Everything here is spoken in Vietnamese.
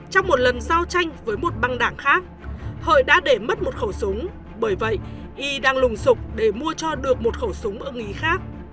trong một lần giao tranh với một băng đảng khác hội đã để mất một khẩu súng bởi vậy y đang lùng sụp để mua cho được một khẩu súng ông ý khác